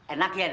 enak ya dad